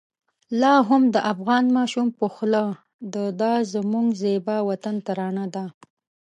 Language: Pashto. لا هم د افغان ماشوم په خوله د دا زموږ زېبا وطن ترانه ده.